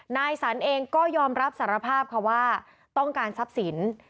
นายสรรเองก็ยอมรับสารภาพค่ะว่าต้องการทรัพย์สิน